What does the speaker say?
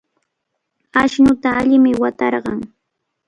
Ashnuta allimi watarqan.